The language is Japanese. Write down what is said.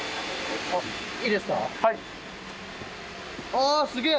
ああすげえ！